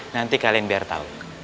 nanti kalian biar tau